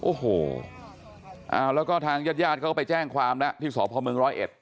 โอ้โหแล้วก็ทางญาติญาติเขาก็ไปแจ้งความแล้วที่สพเมืองร้อยเอ็ด